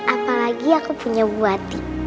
apalagi aku punya buah hati